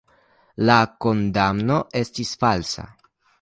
La kondamno estis falsa.